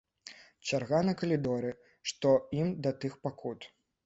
Чарга на калідоры, што ім да тых пакут!